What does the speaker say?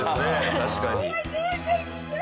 確かに。